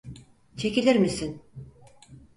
Çekilir misin?